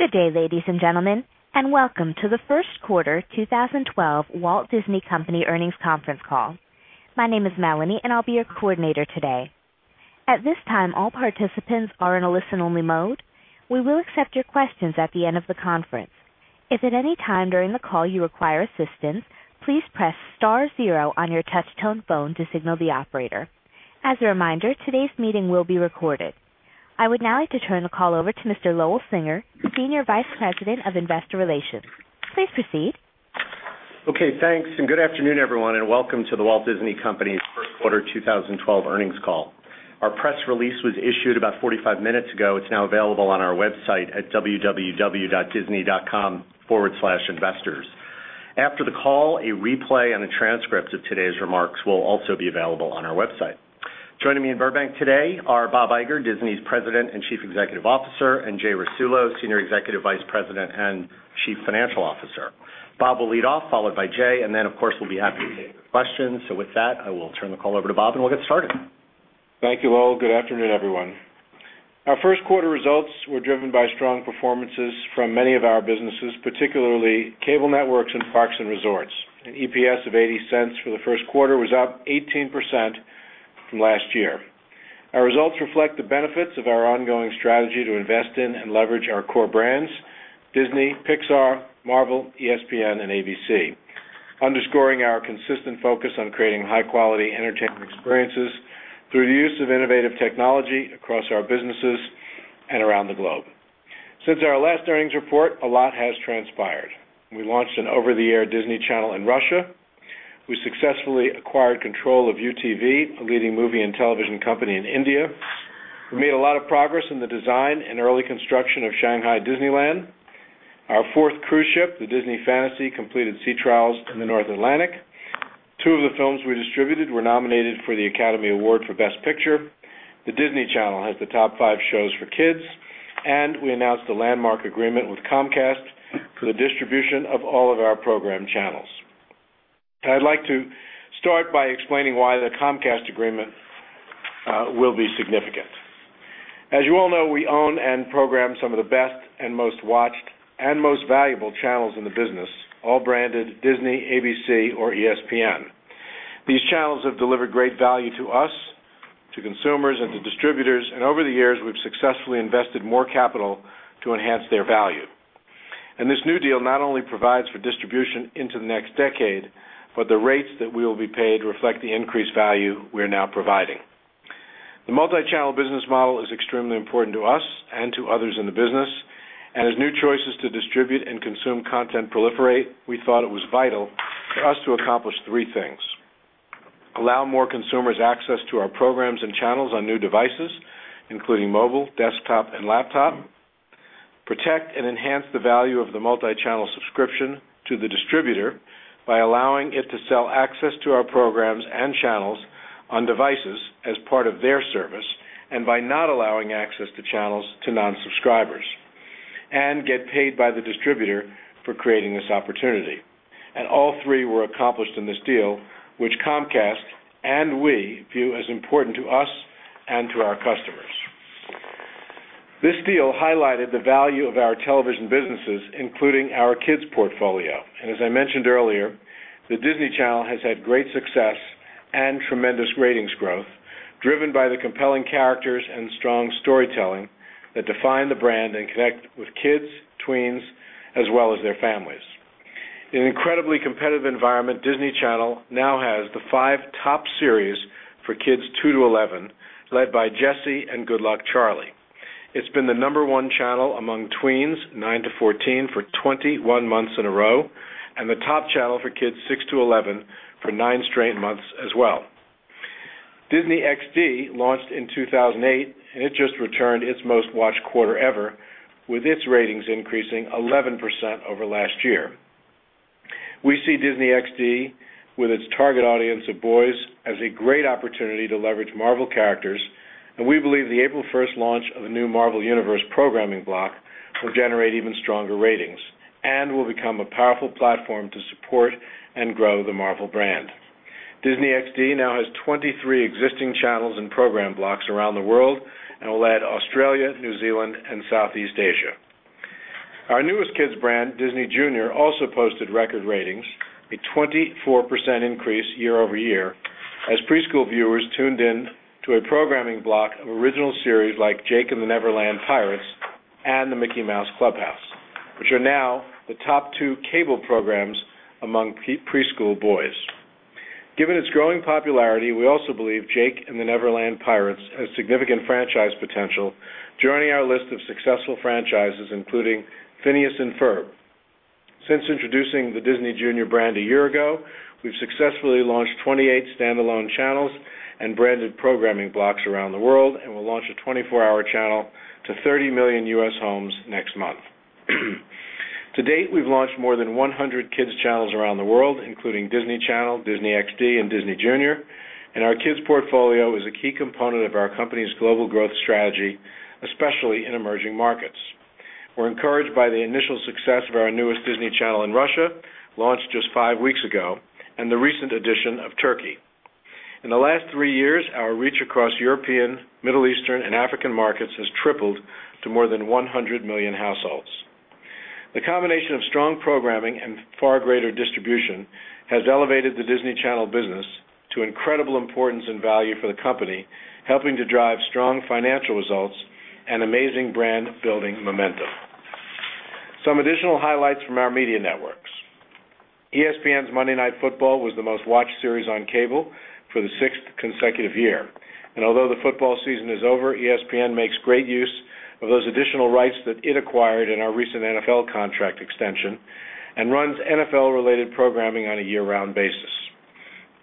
Good day, ladies and gentlemen, and welcome to the First Quarter 2012 Walt Disney Company Earnings Conference Call. My name is Melanie, and I'll be your coordinator today. At this time, all participants are in a listen-only mode. We will accept your questions at the end of the conference. If at any time during the call you require assistance, please press Star, zero on your touch-tone phone to signal the operator. As a reminder, today's meeting will be recorded. I would now like to turn the call over to Mr. Lowell Singer, Senior Vice President of Investor Relations. Please proceed. Okay, thanks, and good afternoon, everyone, and welcome to The Walt Disney Company's Quarter 2012 Earnings Call. Our press release was issued about 45 minutes ago. It's now available on our website at www.disney.com/investors. After the call, a replay and a transcript of today's remarks will also be available on our website. Joining me in Burbank today are Bob Iger, Disney's President and Chief Executive Officer, and Jay Rasulo, Senior Executive Vice President and Chief Financial Officer. Bob will lead off, followed by Jay, and then, of course, we'll be happy to take questions. With that, I will turn the call over to Bob, and we'll get started. Thank you, Lowell. Good afternoon, everyone. Our first quarter results were driven by strong performances from many of our businesses, particularly cable networks and parks and resorts. An EPS of $0.80 for the first quarter was up 18% from last year. Our results reflect the benefits of our ongoing strategy to invest in and leverage our core brands: Disney, Pixar, Marvel, ESPN, and ABC, underscoring our consistent focus on creating high-quality entertainment experiences through the use of innovative technology across our businesses and around the globe. Since our last earnings report, a lot has transpired. We launched an over-the-air Disney Channel in Russia. We successfully acquired control of UTV, a leading movie and television company in India. We made a lot of progress in the design and early construction of Shanghai Disney Resort. Our fourth cruise ship, the Disney Fantasy, completed sea trials in the North Atlantic. Two of the films we distributed were nominated for the Academy Award for Best Picture. The Disney Channel has the top five shows for kids, and we announced a landmark agreement with Comcast for the distribution of all of our program channels. I'd like to start by explaining why the Comcast agreement will be significant. As you all know, we own and program some of the best and most watched and most valuable channels in the business, all branded Disney, ABC, or ESPN. These channels have delivered great value to us, to consumers, and to distributors, and over the years, we've successfully invested more capital to enhance their value. This new deal not only provides for distribution into the next decade, but the rates that we will be paid reflect the increased value we are now providing. The multi-channel business model is extremely important to us and to others in the business, and as new choices to distribute and consume content proliferate, we thought it was vital for us to accomplish three things: allow more consumers access to our programs and channels on new devices, including mobile, desktop, and laptop; protect and enhance the value of the multi-channel subscription to the distributor by allowing it to sell access to our programs and channels on devices as part of their service, and by not allowing access to channels to non-subscribers; and get paid by the distributor for creating this opportunity. All three were accomplished in this deal, which Comcast and we view as important to us and to our customers. This deal highlighted the value of our television businesses, including our kids' portfolio. As I mentioned earlier, the Disney Channel has had great success and tremendous ratings growth, driven by the compelling characters and strong storytelling that define the brand and connect with kids, tweens, as well as their families. In an incredibly competitive environment, Disney Channel now has the five top series for kids 2-11, led by Jessie and Good Luck Charlie. It's been the number one channel among tweens 9-14 for 21 months in a row, and the top channel for kids 6-11 for nine straight months as well. Disney XD launched in 2008, and it just returned its most watched quarter ever, with its ratings increasing 11% over last year. We see Disney XD, with its target audience of boys, as a great opportunity to leverage Marvel characters, and we believe the April 1 launch of a new Marvel Universe programming block will generate even stronger ratings and will become a powerful platform to support and grow the Marvel brand. Disney XD now has 23 existing channels and program blocks around the world and will add Australia, New Zealand, and Southeast Asia. Our newest kids' brand, Disney Junior, also posted record ratings, a 24% increase year-over-year, as preschool viewers tuned in to a programming block of original series like Jake and the Neverland Pirates and The Mickey Mouse Clubhouse, which are now the top two cable programs among preschool boys. Given its growing popularity, we also believe Jake and the Neverland Pirates has significant franchise potential, joining our list of successful franchises including Phineas and Ferb. Since introducing the Disney Junior brand a year ago, we've successfully launched 28 standalone channels and branded programming blocks around the world and will launch a 24-hour channel to 30 million U.S.,homes next month. To date, we've launched more than 100 kids' channels around the world, including Disney Channel, Disney XD, and Disney Junior, and our kids' portfolio is a key component of our company's global growth strategy, especially in emerging markets. We're encouraged by the initial success of our newest Disney Channel in Russia, launched just five weeks ago, and the recent addition of Turkey. In the last three years, our reach across European, Middle Eastern, and African markets has tripled to more than 100 million households. The combination of strong programming and far greater distribution has elevated the Disney Channel business to incredible importance and value for the company, helping to drive strong financial results and amazing brand-building momentum. Some additional highlights from our media networks. ESPN's Monday Night Football was the most watched series on cable for the sixth consecutive year. Although the football season is over, ESPN makes great use of those additional rights that it acquired in our recent NFL contract extension and runs NFL-related programming on a year-round basis.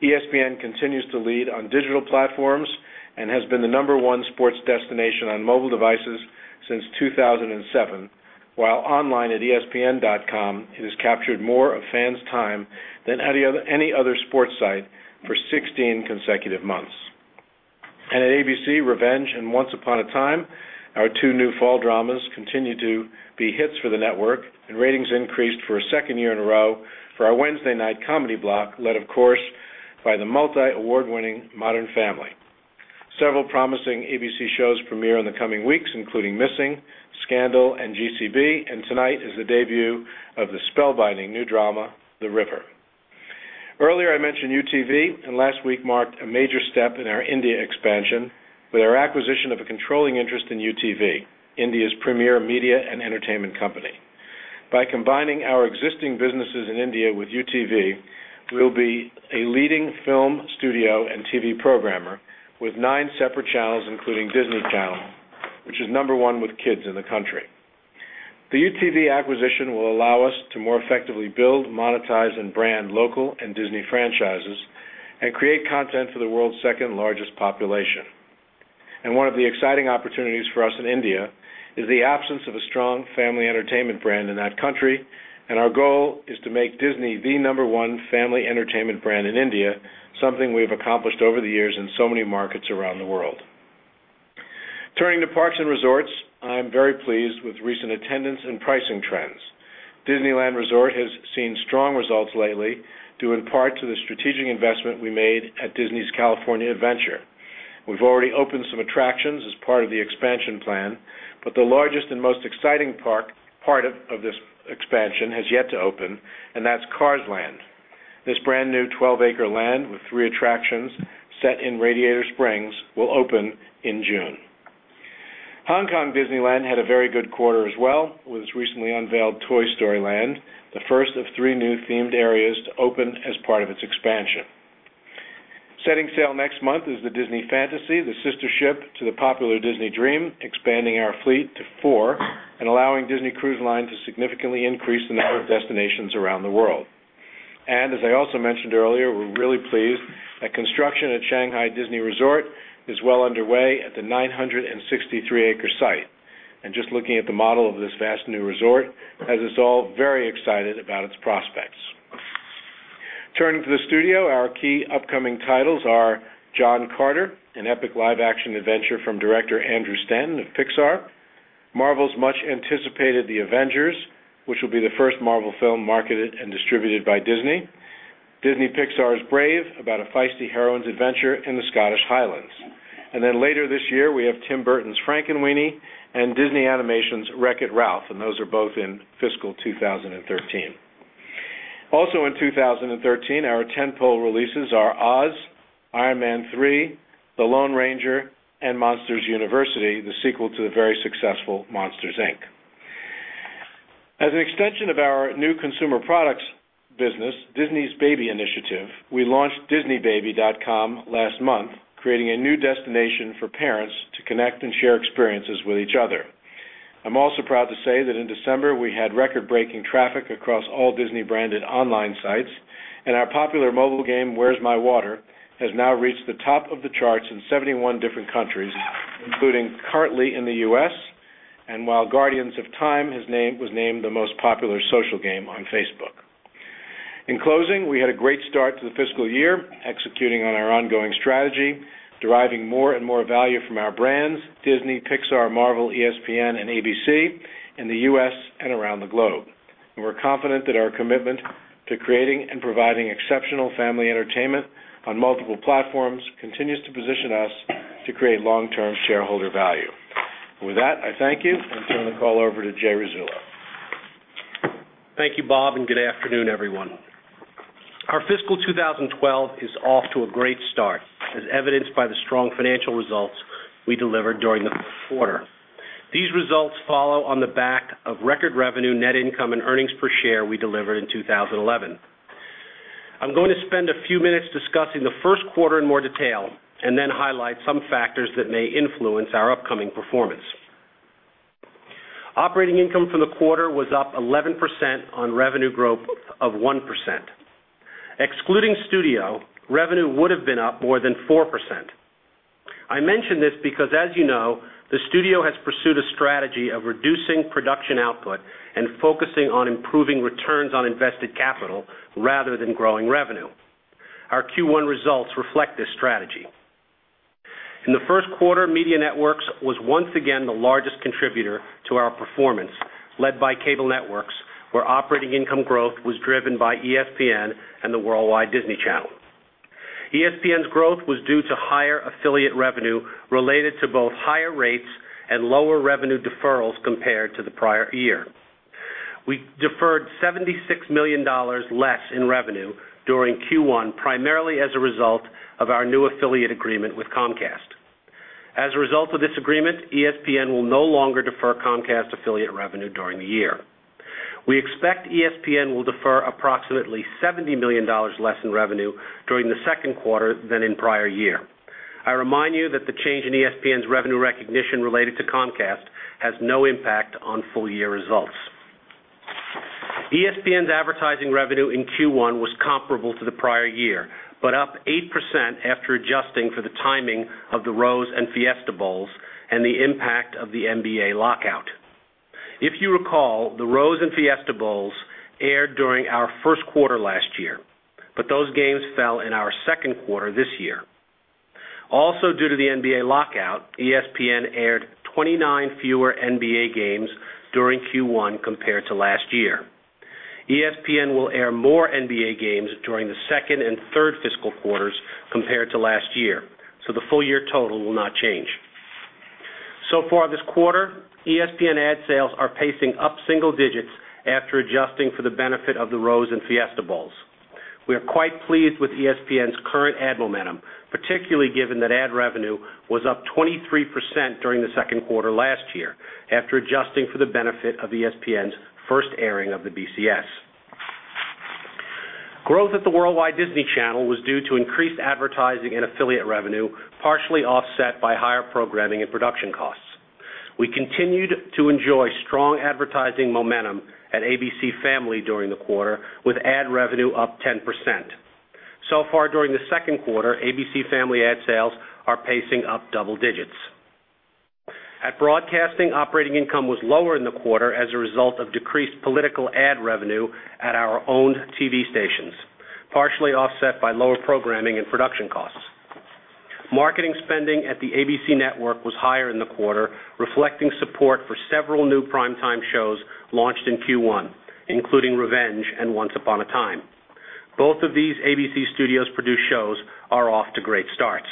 ESPN continues to lead on digital platforms and has been the number one sports destination on mobile devices since 2007, while online at espn.com, it has captured more of fans' time than any other sports site for 16 consecutive months. At ABC, Revenge and Once Upon a Time, our two new fall dramas, continue to be hits for the network, and ratings increased for a second year in a row for our Wednesday night comedy block, led, of course, by the multi-award-winning Modern Family. Several promising ABC shows premiere in the coming weeks, including Missing, Scandal, and GCB, and tonight is the debut of the spellbinding new drama, The River. Earlier, I mentioned UTV, and last week marked a major step in our India expansion with our acquisition of a controlling interest in UTV, India's premier media and entertainment company. By combining our existing businesses in India with UTV, we'll be a leading film studio and TV programmer with nine separate channels, including Disney Channel, which is number one with kids in the country. The UTV acquisition will allow us to more effectively build, monetize, and brand local and Disney franchises and create content for the world's second-largest population. One of the exciting opportunities for us in India is the absence of a strong family entertainment brand in that country, and our goal is to make Disney the number one family entertainment brand in India, something we've accomplished over the years in so many markets around the world. Turning to parks and resorts, I'm very pleased with recent attendance and pricing trends. Disneyland Resort has seen strong results lately, due in part to the strategic investment we made at Disney California Adventure. We've already opened some attractions as part of the expansion plan, but the largest and most exciting part of this expansion has yet to open, and that's Cars Land. This brand new 12-acre land with three attractions set in Radiator Springs will open in June. Hong Kong Disneyland had a very good quarter as well, with its recently unveiled Toy Story Land, the first of three new themed areas to open as part of its expansion. Setting sail next month is the Disney Fantasy, the sister ship to the popular Disney Dream, expanding our fleet to four and allowing Disney Cruise Line to significantly increase the number of destinations around the world. As I also mentioned earlier, we're really pleased that construction at Shanghai Disney Resort is well underway at the 963-acre site. Just looking at the model of this vast new resort has us all very excited about its prospects. Turning to the studio, our key upcoming titles are John Carter, an epic live-action adventure from director Andrew Stanton of Pixar, Marvel's much-anticipated The Avengers, which will be the first Marvel film marketed and distributed by Disney, Disney Pixar's Brave, about a feisty heroine's adventure in the Scottish Highlands, and then later this year, we have Tim Burton's Frankenweenie and Disney Animation's Wreck-It Ralph, and those are both in fiscal 2013. Also in 2013, our tentpole releases are Oz, Iron Man 3, The Lone Ranger, and Monsters University, the sequel to the very successful Monsters Inc. As an extension of our new consumer products business, Disney's Baby initiative, we launched DisneyBaby.com last month, creating a new destination for parents to connect and share experiences with each other. I'm also proud to say that in December, we had record-breaking traffic across all Disney-branded online sites, and our popular mobile game, Where's My Water, has now reached the top of the charts in 71 different countries, including currently in the U.S., while Guardians of Time was named the most popular social game on Facebook. In closing, we had a great start to the fiscal year, executing on our ongoing strategy, deriving more and more value from our brands, Disney, Pixar, Marvel, ESPN, and ABC in the U.S.,and around the globe. We're confident that our commitment to creating and providing exceptional family entertainment on multiple platforms continues to position us to create long-term shareholder value. With that, I thank you and turn the call over to Jay Rasulo. Thank you, Bob, and good afternoon, everyone. Our fiscal 2012 is off to a great start, as evidenced by the strong financial results we delivered during the quarter. These results follow on the back of record revenue, net income, and earnings per share we delivered in 2011. I'm going to spend a few minutes discussing the first quarter in more detail and then highlight some factors that may influence our upcoming performance. Operating income for the quarter was up 11% on revenue growth of 1%. Excluding studio, revenue would have been up more than 4%. I mention this because, as you know, the studio has pursued a strategy of reducing production output and focusing on improving returns on invested capital rather than growing revenue. Our Q1 results reflect this strategy. In the first quarter, Media Networks was once again the largest contributor to our performance, led by Cable Networks, where operating income growth was driven by ESPN and the worldwide Disney Channel. ESPN's growth was due to higher affiliate revenue related to both higher rates and lower revenue deferrals compared to the prior year. We deferred $76 million less in revenue during Q1, primarily as a result of our new affiliate agreement with Comcast. As a result of this agreement, ESPN will no longer defer Comcast affiliate revenue during the year. We expect ESPN will defer approximately $70 million less in revenue during the second quarter than in the prior year. I remind you that the change in ESPN's revenue recognition related to Comcast has no impact on full-year results. ESPN's advertising revenue in Q1 was comparable to the prior year, but up 8% after adjusting for the timing of the Rose and Fiesta Bowls and the impact of the NBA lockout. If you recall, the Rose and Fiesta Bowls aired during our first quarter last year, but those games fell in our second quarter this year. Also, due to the NBA lockout, ESPN aired 29 fewer NBA games during Q1 compared to last year. ESPN will air more NBA games during the second and third fiscal quarters compared to last year, so the full-year total will not change. So far this quarter, ESPN ad sales are pacing up single digits after adjusting for the benefit of the Rose and Fiesta Bowls. We are quite pleased with ESPN's current ad momentum, particularly given that ad revenue was up 23% during the second quarter last year after adjusting for the benefit of ESPN's first airing of the BCS. Growth at the worldwide Disney Channel was due to increased advertising and affiliate revenue, partially offset by higher programming and production costs. We continued to enjoy strong advertising momentum at ABC Family during the quarter, with ad revenue up 10%. So far, during the second quarter, ABC Family ad sales are pacing up double digits. At broadcasting, operating income was lower in the quarter as a result of decreased political ad revenue at our owned TV stations, partially offset by lower programming and production costs. Marketing spending at the ABC network was higher in the quarter, reflecting support for several new primetime shows launched in Q1, including Revenge and Once Upon a Time. Both of these ABC Studios-produced shows are off to great starts.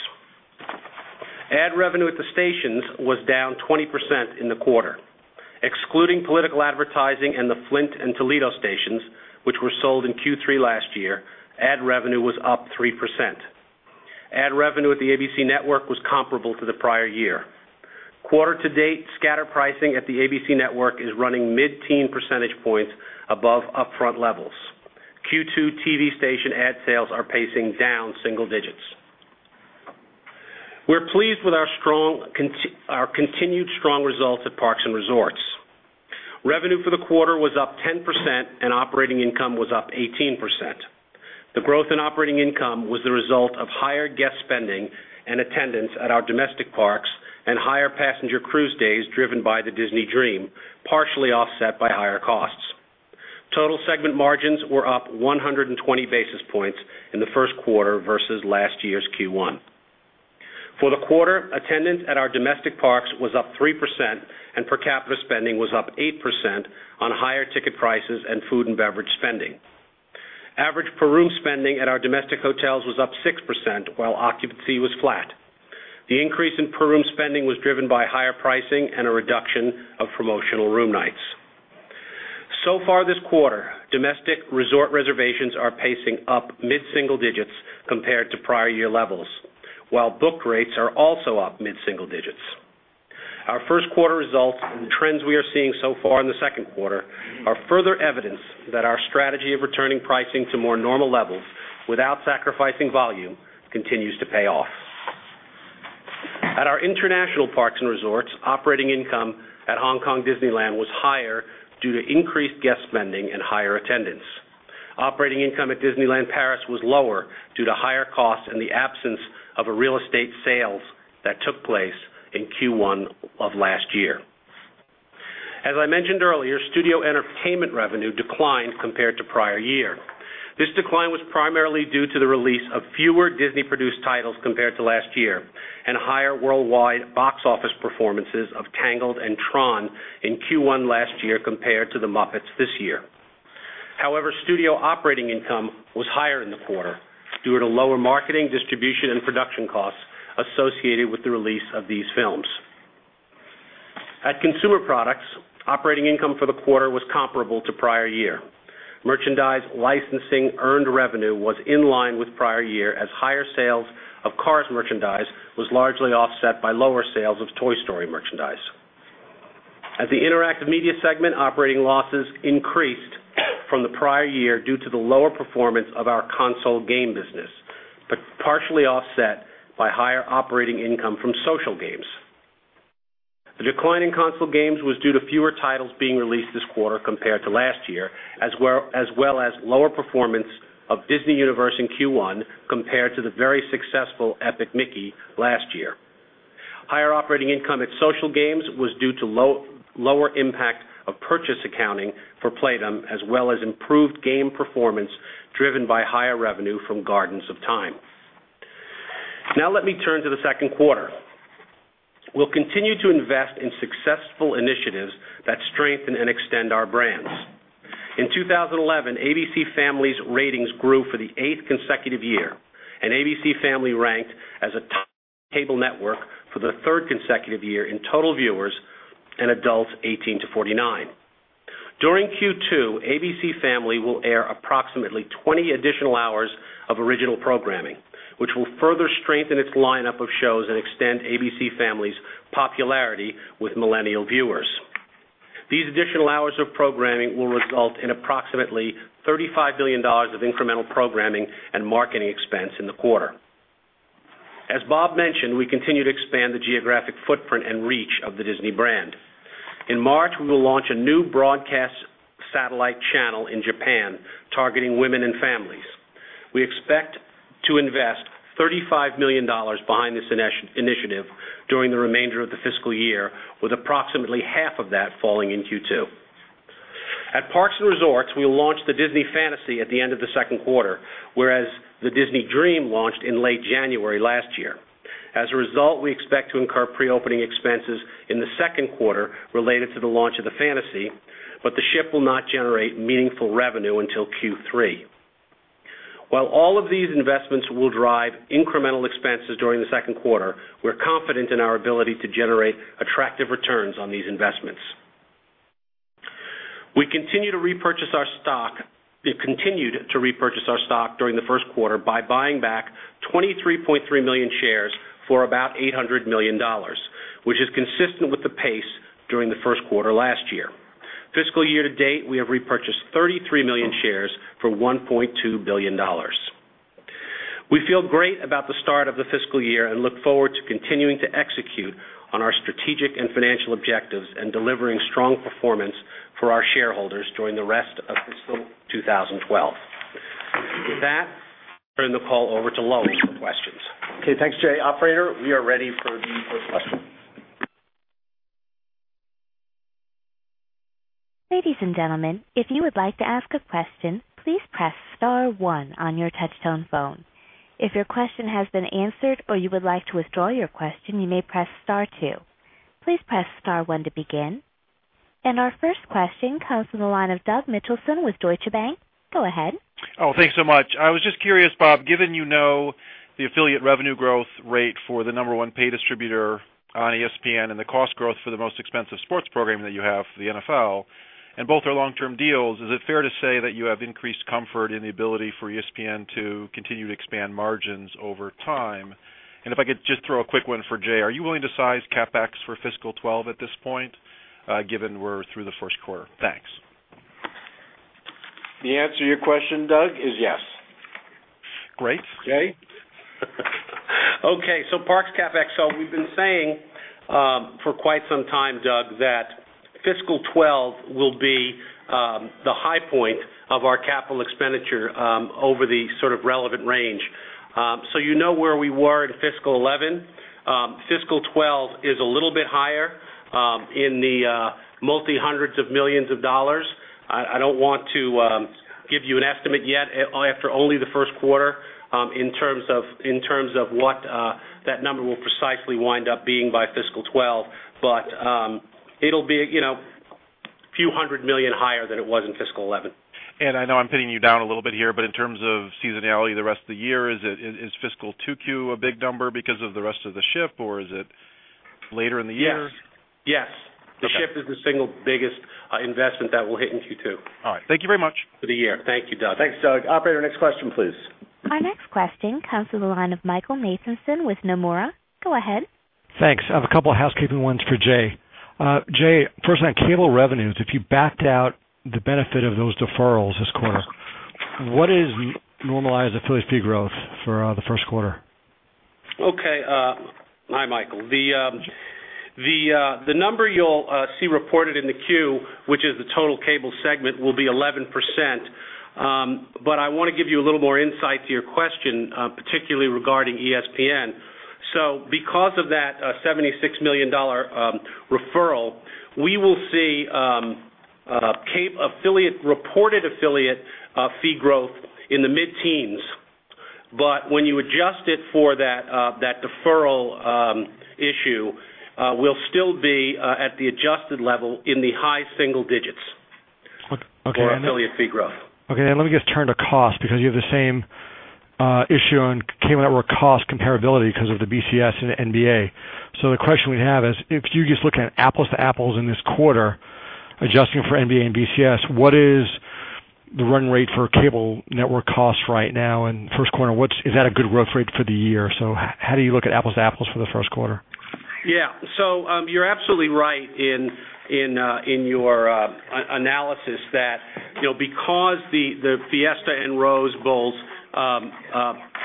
Ad revenue at the stations was down 20% in the quarter. Excluding political advertising and the Flint and Toledo stations, which were sold in Q3 last year, ad revenue was up 3%. Ad revenue at the ABC Network was comparable to the prior year. Quarter-to-date, scatter pricing at the ABC network is running mid-teen percentage points above upfront levels. Q2 TV station ad sales are pacing down single digits. We're pleased with our continued strong results at parks and resorts. Revenue for the quarter was up 10%, and operating income was up 18%. The growth in operating income was the result of higher guest spending and attendance at our domestic parks and higher passenger cruise days driven by the Disney Dream, partially offset by higher costs. Total segment margins were up 120 basis points in the first quarter versus last year's Q1. For the quarter, attendance at our domestic parks was up 3%, and per capita spending was up 8% on higher ticket prices and food and beverage spending. Average per room spending at our domestic hotels was up 6%, while occupancy was flat. The increase in per room spending was driven by higher pricing and a reduction of promotional room nights. So far this quarter, domestic resort reservations are pacing up mid-single digits compared to prior year levels, while booked rates are also up mid-single digits. Our first quarter results and the trends we are seeing so far in the second quarter are further evidence that our strategy of returning pricing to more normal levels without sacrificing volume continues to pay off. At our international parks and resorts, operating income at Hong Kong Disneyland was higher due to increased guest spending and higher attendance. Operating income at Disneyland Paris was lower due to higher costs and the absence of real estate sales that took place in Q1 of last year. As I mentioned earlier, studio entertainment revenue declined compared to prior year. This decline was primarily due to the release of fewer Disney-produced titles compared to last year and higher worldwide box office performances of Tangled and Tron in Q1 last year compared to The Muppets this year. However, studio operating income was higher in the quarter due to lower marketing, distribution, and production costs associated with the release of these films. At Consumer Products, operating income for the quarter was comparable to prior year. Merchandise licensing earned revenue was in line with prior year, as higher sales of Cars merchandise were largely offset by lower sales of Toy Story merchandise. At the Interactive Media segment, operating losses increased from the prior year due to the lower performance of our console game business, but partially offset by higher operating income from social games. The decline in console games was due to fewer titles being released this quarter compared to last year, as well as lower performance of Disney Universe in Q1 compared to the very successful Epic Mickey last year. Higher operating income at social games was due to lower impact of purchase accounting for Playdom, as well as improved game performance driven by higher revenue from Gardens of Time. Now let me turn to the second quarter. We'll continue to invest in successful initiatives that strengthen and extend our brands. In 2011, ABC Family's ratings grew for the eighth consecutive year, and ABC Family ranked as a top cable network for the third consecutive year in total viewers and adults 18-49. During Q2, ABC Family will air approximately 20 additional hours of original programming, which will further strengthen its lineup of shows and extend ABC Family's popularity with millennial viewers. These additional hours of programming will result in approximately $35 million of incremental programming and marketing expense in the quarter. As Bob mentioned, we continue to expand the geographic footprint and reach of the Disney brand. In March, we will launch a new broadcast satellite channel in Japan targeting women and families. We expect to invest $35 million behind this initiative during the remainder of the fiscal year, with approximately half of that falling in Q2. At Parks and Resorts, we'll launch the Disney Fantasy at the end of the second quarter, whereas the Disney Dream launched in late January last year. As a result, we expect to incur pre-opening expenses in the second quarter related to the launch of the Fantasy, but the ship will not generate meaningful revenue until Q3. While all of these investments will drive incremental expenses during the second quarter, we're confident in our ability to generate attractive returns on these investments. We continue to repurchase our stock. We continued to repurchase our stock during the first quarter by buying back 23.3 million shares for about $800 million, which is consistent with the pace during the first quarter last year. Fiscal year to date, we have repurchased 33 million shares for $1.2 billion. We feel great about the start of the fiscal year and look forward to continuing to execute on our strategic and financial objectives and delivering strong performance for our shareholders during the rest of fiscal 2012. With that, I'll turn the call over to Lowell for questions. Okay, thanks, Jay. Operator, we are ready for the first question. Ladies and gentlemen, if you would like to ask a question, please press Star, one on your touch-tone phone. If your question has been answered or you would like to withdraw your question, you may press Star, two. Please press Star, one to begin. Our first question comes from the line of Doug Mitchelson with Deutsche Bank. Go ahead. Thanks so much. I was just curious, Bob, given the affiliate revenue growth rate for the number one pay distributor on ESPN and the cost growth for the most expensive sports program that you have, the NFL, and both are long-term deals, is it fair to say that you have increased comfort in the ability for ESPN to continue to expand margins over time? If I could just throw a quick one for Jay, are you willing to size CapEx for fiscal 2012 at this point, given we're through the first quarter? Thanks. The answer to your question, Doug, is yes. Great. Jay? Okay, parks CapEx. We've been saying for quite some time, Doug, that fiscal 2012 will be the high point of our capital expenditure over the sort of relevant range. You know where we were in fiscal 2011. Fiscal 2012 is a little bit higher in the multi-hundreds of millions of dollars. I don't want to give you an estimate yet after only the first quarter in terms of what that number will precisely wind up being by fiscal 2012, but it'll be a few hundred million higher than it was in fiscal 2011. I know I'm pitting you down a little bit here, but in terms of seasonality the rest of the year, is fiscal 2Q a big number because of the rest of the shift, or is it later in the year? Yes. Yes, the shift is the single biggest investment that will hit in Q2. All right, thank you very much. For the year. Thank you, Doug. Thanks, Doug. Operator, next question, please. Our next question comes from the line of Michael Nathanson with Nomura. Go ahead. Thanks. I have a couple of housekeeping ones for Jay. Jay, first on cable revenues, if you backed out the benefit of those deferrals this quarter, what is normalized affiliate fee growth for the first quarter? Okay. Hi, Michael. The number you'll see reported in the queue, which is the total cable segment, will be 11%. I want to give you a little more insight to your question, particularly regarding ESPN. Because of that $76 million deferral, we will see reported affiliate fee growth in the mid-teens, but when you adjust it for that deferral issue, we'll still be at the adjusted level in the high single digits on affiliate fee growth. Okay, let me just turn to cost because you have the same issue on cable network cost comparability because of the BCS and the NBA. The question we have is, if you just look at apples to apples in this quarter, adjusting for NBA and BCS, what is the run rate for cable network costs right now in the first quarter? Is that a good growth rate for the year? How do you look at apples to apples for the first quarter? Yeah, you're absolutely right in your analysis that because the Fiesta and Rose Bowls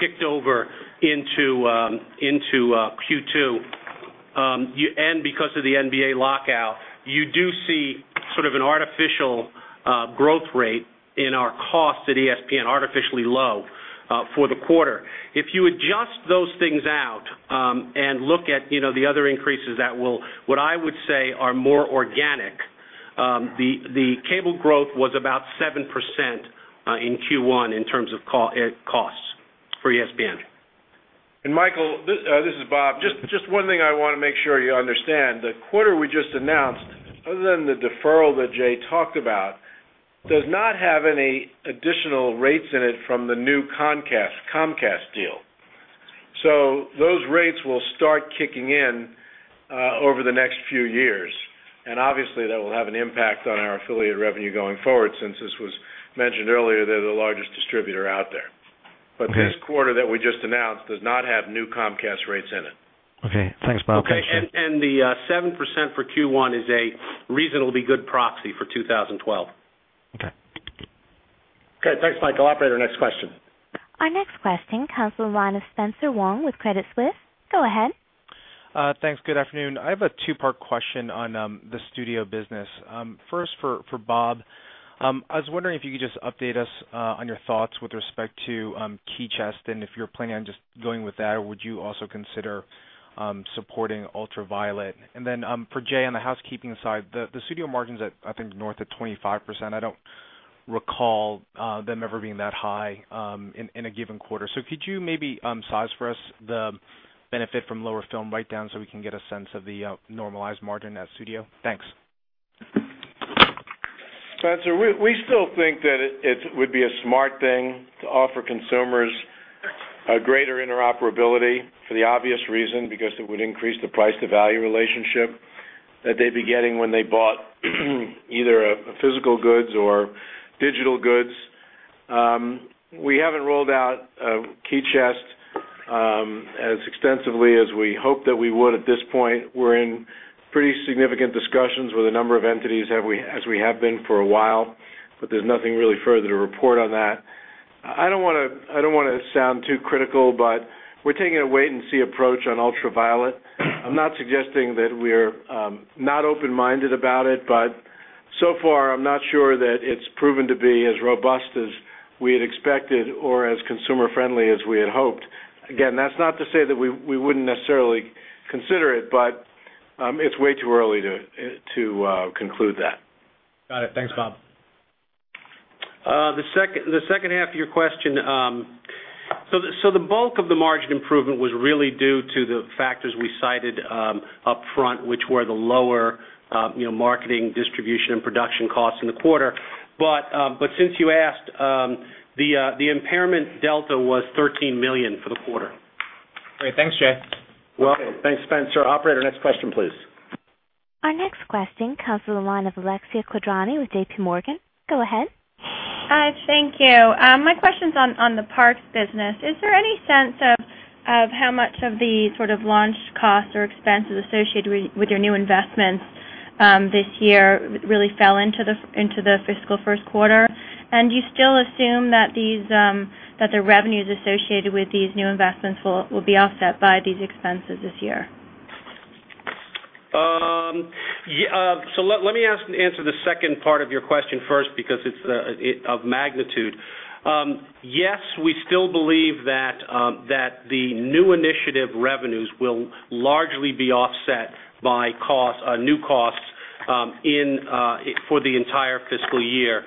kicked over into Q2 and because of the NBA lockout, you do see sort of an artificial growth rate in our costs at ESPN, artificially low for the quarter. If you adjust those things out and look at the other increases that are, what I would say, more organic, the cable growth was about 7% in Q1 in terms of costs for ESPN. Michael, this is Bob. Just one thing I want to make sure you understand. The quarter we just announced, other than the deferral that Jay talked about, does not have any additional rates in it from the new Comcast deal. Those rates will start kicking in over the next few years, and obviously, that will have an impact on our affiliate revenue going forward since this was mentioned earlier that the largest distributor out there. This quarter that we just announced does not have new Comcast rates in it. Okay, thanks, Bob. The 7% for Q1 is a reasonably good proxy for 2012. Okay. Okay, thanks, Michael. Operator, next question. Our next question comes from the line of Spencer Wang with Credit Suisse. Go ahead. Thanks, good afternoon. I have a two-part question on the studio business. First, for Bob, I was wondering if you could just update us on your thoughts with respect to KeyChest and if you're planning on just going with that, or would you also consider supporting Ultraviolet? For Jay on the housekeeping side, the studio margins at, I think, north of 25%. I don't recall them ever being that high in a given quarter. Could you maybe size for us the benefit from lower film write-down so we can get a sense of the normalized margin at studio? Thanks. Spencer, we still think that it would be a smart thing to offer consumers greater interoperability for the obvious reason because it would increase the price-to-value relationship that they'd be getting when they bought either physical goods or digital goods. We haven't rolled out KeyChest as extensively as we hoped that we would at this point. We're in pretty significant discussions with a number of entities, as we have been for a while, but there's nothing really further to report on that. I don't want to sound too critical, but we're taking a wait-and-see approach on Ultraviolet. I'm not suggesting that we're not open-minded about it, but so far, I'm not sure that it's proven to be as robust as we had expected or as consumer-friendly as we had hoped. Again, that's not to say that we wouldn't necessarily consider it, but it's way too early to conclude that. Got it. Thanks, Bob. The second half of your question, the bulk of the margin improvement was really due to the factors we cited upfront, which were the lower marketing, distribution, and production costs in the quarter. Since you asked, the impairment delta was $13 million for the quarter. Great, thanks, Jay. Thank you, Spencer. Operator, next question, please. Our next question comes from the line of Alexia Quadrani with JPMorgan. Go ahead. Hi, thank you. My question's on the parks business. Is there any sense of how much of the sort of launch costs or expenses associated with your new investments this year really fell into the fiscal first quarter? Do you still assume that the revenues associated with these new investments will be offset by these expenses this year? Let me answer the second part of your question first because it's of magnitude. Yes, we still believe that the new initiative revenues will largely be offset by new costs for the entire fiscal year.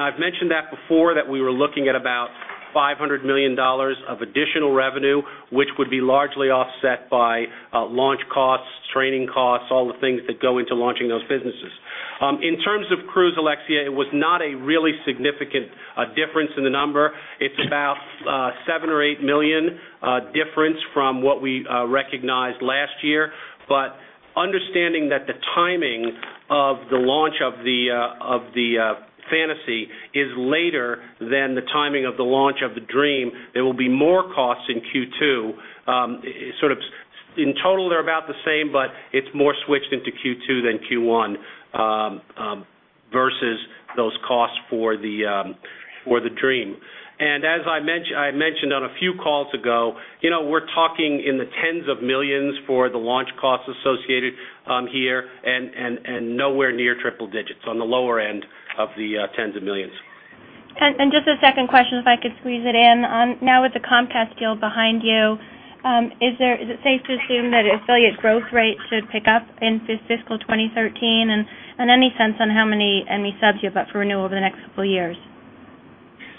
I've mentioned before that we were looking at about $500 million of additional revenue, which would be largely offset by launch costs, training costs, all the things that go into launching those businesses. In terms of cruise, Alexia, it was not a really significant difference in the number. It's about $7 million or $8 million difference from what we recognized last year. Understanding that the timing of the launch of the Disney Fantasy is later than the timing of the launch of the Disney Dream, there will be more costs in Q2. In total, they're about the same, but it's more switched into Q2 than Q1 versus those costs for the Disney Dream. As I mentioned a few calls ago, we're talking in the tens of millions for the launch costs associated here and nowhere near triple digits, on the lower end of the tens of millions. Just a second question, if I could squeeze it in. Now with the Comcast deal behind you, is it safe to assume that affiliate growth rates should pick up in fiscal 2013? Any sense on how many subs you have up for renewal over the next couple of years?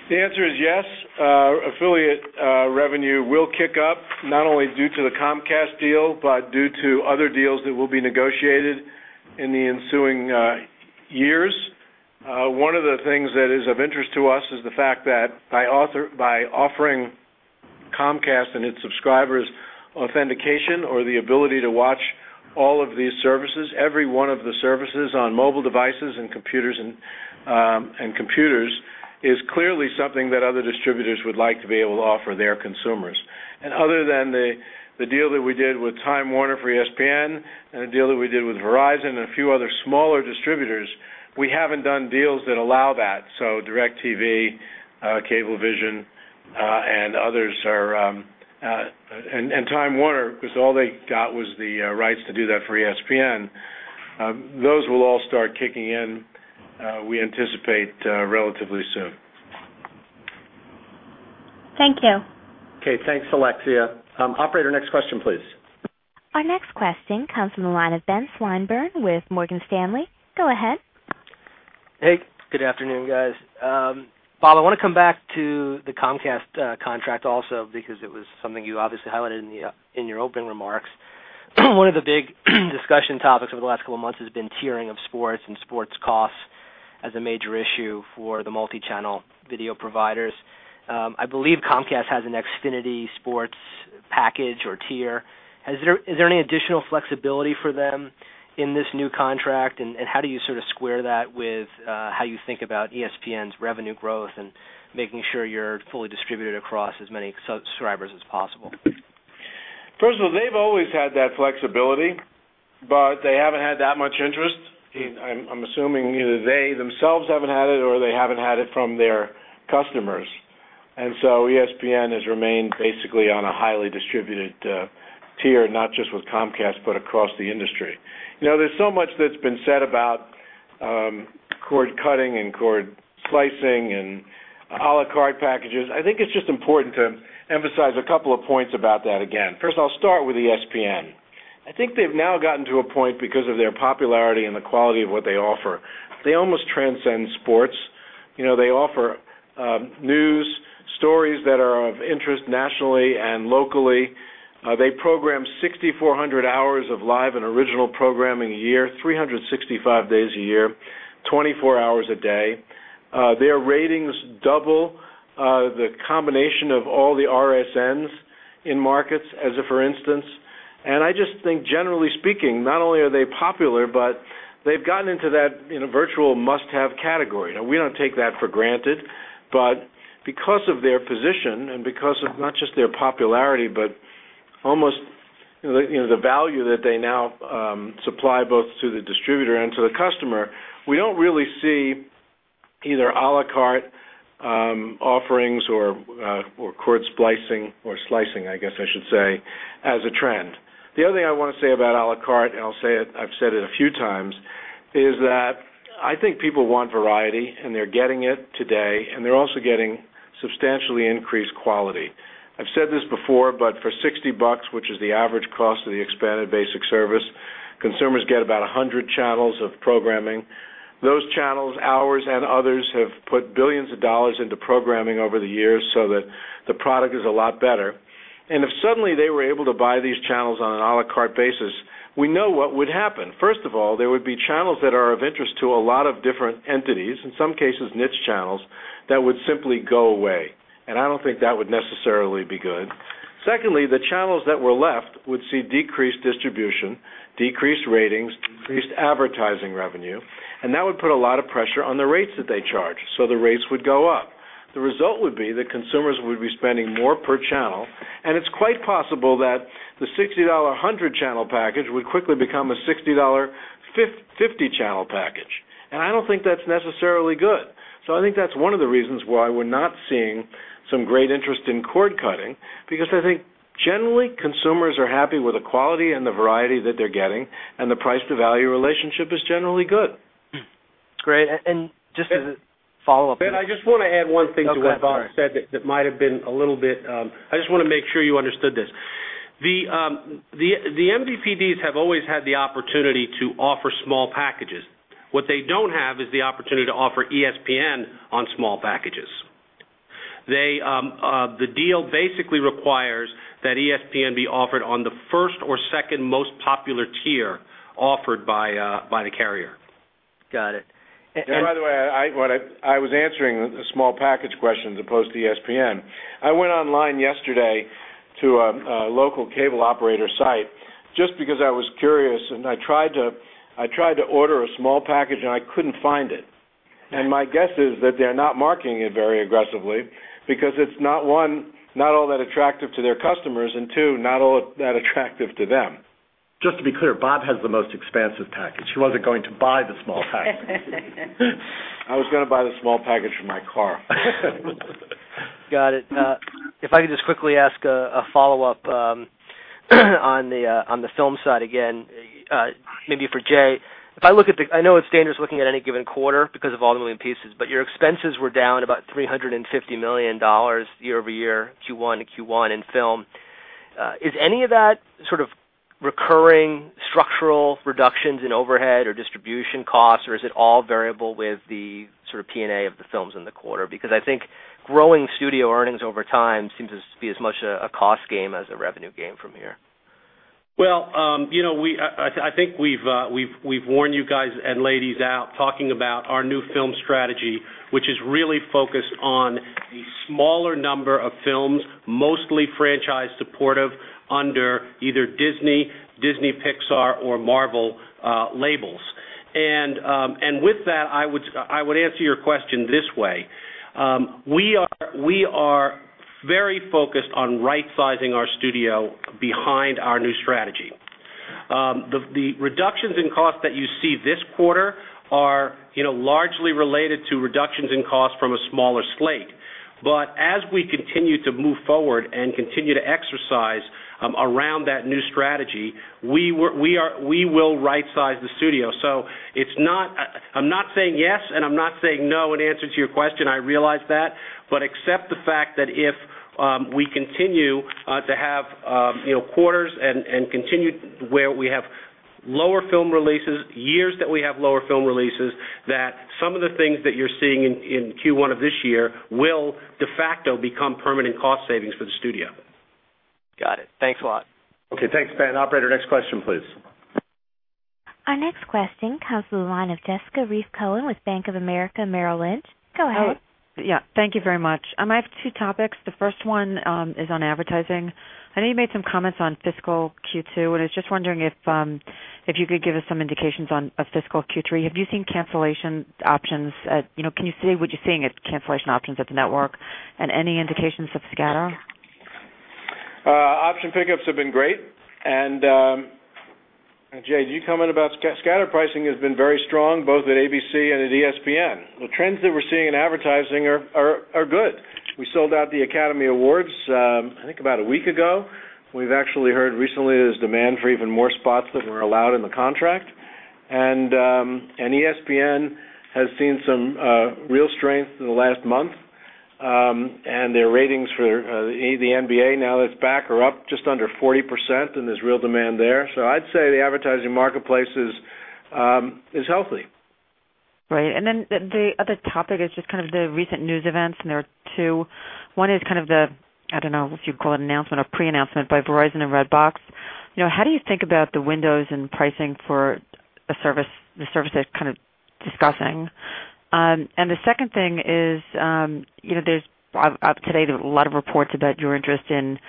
The answer is yes. Affiliate revenue will kick up, not only due to the Comcast deal, but due to other deals that will be negotiated in the ensuing years. One of the things that is of interest to us is the fact that by offering Comcast and its subscribers authentication or the ability to watch all of these services, every one of the services on mobile devices and computers is clearly something that other distributors would like to be able to offer their consumers. Other than the deal that we did with Time Warner for ESPN and a deal that we did with Verizon and a few other smaller distributors, we haven't done deals that allow that. DirecTV, Cablevision, and Time Warner, because all they got was the rights to do that for ESPN, those will all start kicking in, we anticipate, relatively soon. Thank you. Okay, thanks, Alexia. Operator, next question, please. Our next question comes from the line of Ben Swinburne with Morgan Stanley. Go ahead. Hey, good afternoon, guys. Bob, I want to come back to the Comcast contract also because it was something you obviously highlighted in your opening remarks. One of the big discussion topics over the last couple of months has been tiering of sports and sports costs as a major issue for the multi-channel video providers. I believe Comcast has an Xfinity sports package or tier. Is there any additional flexibility for them in this new contract, and how do you sort of square that with how you think about ESPN's revenue growth and making sure you're fully distributed across as many subscribers as possible? First of all, they've always had that flexibility, but they haven't had that much interest. I'm assuming either they themselves haven't had it or they haven't had it from their customers. ESPN has remained basically on a highly distributed tier, not just with Comcast but across the industry. There's so much that's been said about cord cutting and cord slicing and a la carte packages. I think it's just important to emphasize a couple of points about that again. First, I'll start with ESPN. I think they've now gotten to a point, because of their popularity and the quality of what they offer, they almost transcend sports. They offer news, stories that are of interest nationally and locally. They program 6,400 hours of live and original programming a year, 365 days a year, 24 hours a day. Their ratings double the combination of all the RSNs in markets, as a for instance. I just think, generally speaking, not only are they popular, but they've gotten into that virtual must-have category. We don't take that for granted, but because of their position and because of not just their popularity but almost the value that they now supply both to the distributor and to the customer, we don't really see either a la carte offerings or cord splicing or slicing, I guess I should say, as a trend. The other thing I want to say about a la carte, and I'll say it, I've said it a few times, is that I think people want variety, and they're getting it today, and they're also getting substantially increased quality. I've said this before, but for $60, which is the average cost of the expanded basic service, consumers get about 100 channels of programming. Those channels, ours and others, have put billions of dollars into programming over the years so that the product is a lot better. If suddenly they were able to buy these channels on an a la carte basis, we know what would happen. First of all, there would be channels that are of interest to a lot of different entities, in some cases niche channels, that would simply go away. I don't think that would necessarily be good. Secondly, the channels that were left would see decreased distribution, decreased ratings, decreased advertising revenue, and that would put a lot of pressure on the rates that they charge. The rates would go up. The result would be that consumers would be spending more per channel, and it's quite possible that the $60 100-channel package would quickly become a $60 50-channel package. I don't think that's necessarily good. I think that's one of the reasons why we're not seeing some great interest in cord cutting, because I think generally, consumers are happy with the quality and the variety that they're getting, and the price-to-value relationship is generally good. Great. Just as a follow-up, I want to add one thing to what Bob said that might have been a little bit unclear. I just want to make sure you understood this. The MVPDs have always had the opportunity to offer small packages. What they don't have is the opportunity to offer ESPN on small packages. The deal basically requires that ESPN be offered on the first or second most popular tier offered by the carrier. Got it. By the way, I was answering the small package question as opposed to ESPN. I went online yesterday to a local cable operator site just because I was curious, and I tried to order a small package, and I couldn't find it. My guess is that they're not marketing it very aggressively because it's not, one, not all that attractive to their customers, and two, not all that attractive to them. Just to be clear, Bob Iger has the most expansive package. He wasn't going to buy the small package. I was going to buy the small package for my car. Got it. If I could just quickly ask a follow-up on the film side again, maybe for Jay, if I look at the I know it's dangerous looking at any given quarter because of all the million pieces, but your expenses were down about $350 million year over year, Q1 to Q1 in film. Is any of that sort of recurring structural reductions in overhead or distribution costs, or is it all variable with the sort of P&A of the films in the quarter? I think growing studio earnings over time seems to be as much a cost game as a revenue game from here. You know, I think we've worn you guys and ladies out talking about our new film strategy, which is really focused on a smaller number of films, mostly franchise supportive, under either Disney, Pixar, or Marvel labels. With that, I would answer your question this way. We are very focused on right-sizing our studio behind our new strategy. The reductions in costs that you see this quarter are largely related to reductions in costs from a smaller slate. As we continue to move forward and continue to exercise around that new strategy, we will right-size the studio. I'm not saying yes, and I'm not saying no in answer to your question. I realize that. Accept the fact that if we continue to have quarters and continue where we have lower film releases, years that we have lower film releases, that some of the things that you're seeing in Q1 of this year will de facto become permanent cost savings for the studio. Got it. Thanks a lot. Okay, thanks, Ben. Operator, next question, please. Our next question comes from the line of Jessica Reif Ehrlich with Bank of America. Go ahead. Thank you very much. I have two topics. The first one is on advertising. I know you made some comments on fiscal Q2, and I was just wondering if you could give us some indications on fiscal Q3. Have you seen cancellation options? Can you say what you're seeing as cancellation options at the network and any indications of scatter? Option pickups have been great. Jay, do you comment about scatter? Scatter pricing has been very strong, both at ABC and at ESPN. The trends that we're seeing in advertising are good. We sold out the Academy Awards, I think, about a week ago. We've actually heard recently there's demand for even more spots that were allowed in the contract. ESPN has seen some real strength in the last month, and their ratings for the NBA now that it's back are up just under 40%, and there's real demand there. I'd say the advertising marketplace is healthy. Right. The other topic is just kind of the recent news events, and there are two. One is kind of the, I don't know if you'd call it an announcement or pre-announcement, by Verizon or Redbox. How do you think about the windows in pricing for the service that's kind of discussing? The second thing is, today there are a lot of reports about your interest in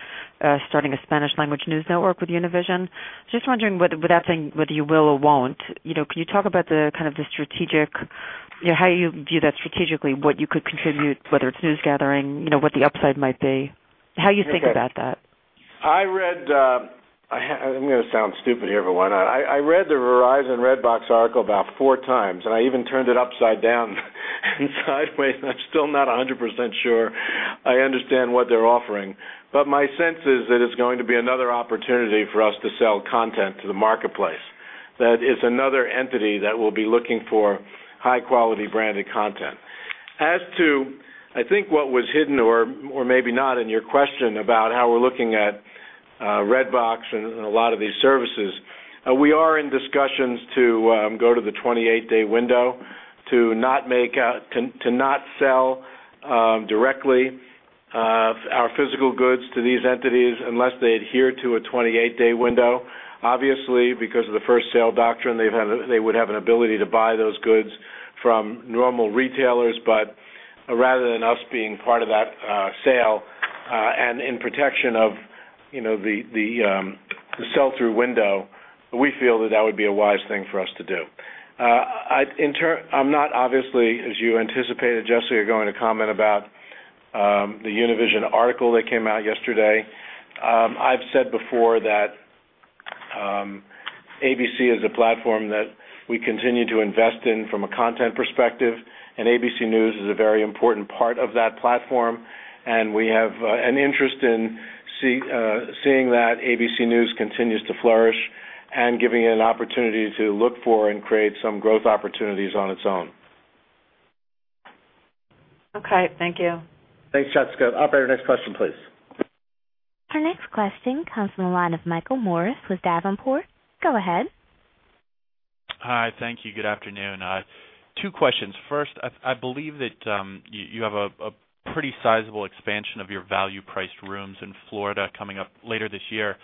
starting a Spanish-language news network with Univision. I'm just wondering, without saying whether you will or won't, can you talk about kind of the strategic, how you view that strategically, what you could contribute, whether it's news gathering, what the upside might be? How do you think about that? I read, I'm going to sound stupid here, but why not? I read the Verizon or Redbox article about four times, and I even turned it upside down and sideways, and I'm still not 100% sure I understand what they're offering. My sense is that it's going to be another opportunity for us to sell content to the marketplace, that it's another entity that will be looking for high-quality branded content. As to, I think what was hidden, or maybe not, in your question about how we're looking at Redbox and a lot of these services, we are in discussions to go to the 28-day window to not sell directly our physical goods to these entities unless they adhere to a 28-day window. Obviously, because of the first sale doctrine, they would have an ability to buy those goods from normal retailers. Rather than us being part of that sale and in protection of the sell-through window, we feel that that would be a wise thing for us to do. Obviously, as you anticipated, Jessica, you're going to comment about the Univision article that came out yesterday. I've said before that ABC is a platform that we continue to invest in from a content perspective, and ABC News is a very important part of that platform. We have an interest in seeing that ABC News continues to flourish and giving it an opportunity to look for and create some growth opportunities on its own. Okay, thank you. Thanks, Jessica. Operator, next question, please. Our next question comes from the line of Michael Morris with Davenport. Go ahead. Hi, thank you. Good afternoon. Two questions. First, I believe that you have a pretty sizable expansion of your value-priced rooms in Florida coming up later this year.